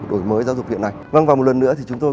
đổi mới giáo dục hiện nay vâng và một lần nữa thì chúng tôi